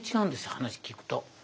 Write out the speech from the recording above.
話聞くと。